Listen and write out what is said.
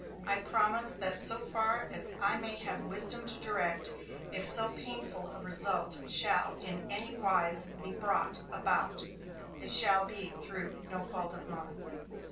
I promise that so far as I may have wisdom to direct, if so painful a result shall in any wise be brought about, it shall be through no fault of mine."